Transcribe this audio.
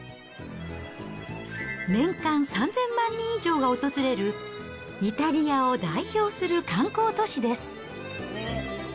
年間３０００万人以上が訪れる、イタリアを代表する観光都市です。